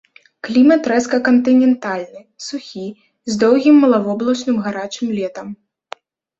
Клімат рэзка кантынентальны, сухі, з доўгім малавоблачным гарачым летам.